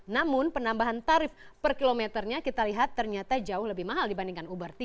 namun penambahan tarif per kilometernya kita lihat ternyata jauh lebih mahal dibandingkan uber